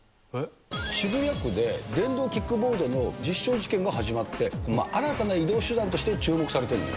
渋谷区で電動キックボードの実証実験が始まって、新たな移動手段として注目されてるのよ。